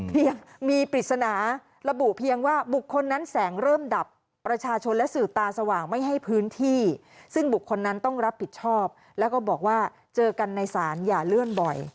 เพียงมีปริศนาระบุเพียงว่าบุคคลนั้นแสงเริ่มดับประชาชนและสื่อตาสว่างไม่ให้พื้นที่ซึ่งบุคคลนั้นต้องรับผิดชอบแล้วก็บอกว่าเจอกันในศาลอย่าเลื่อนบ่อย